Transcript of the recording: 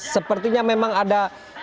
sepertinya memang ada